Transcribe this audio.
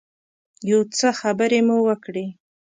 یو څه خبرې مو وکړې.